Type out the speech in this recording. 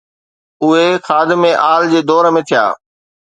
اهي خادم آل جي دور ۾ ٿيا.